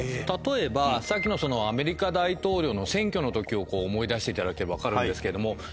例えば先のアメリカ大統領の選挙のときを思い出していただければ分かるんですけども。